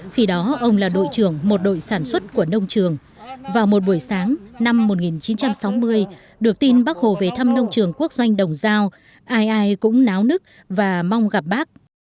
khi đó ông là đội trưởng một đội sản xuất của nông trường vào một buổi sáng năm một nghìn chín trăm sáu mươi được tin bác hồ về thăm nông trường quốc doanh đồng giao ai ai cũng náo nức và mong gặp bác